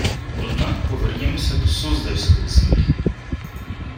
Однак повернімося до суздальської землі